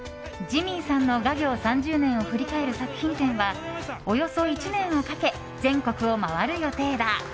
ジミーさんの画業３０年を振り返る作品展はおよそ１年をかけ全国を回る予定だ。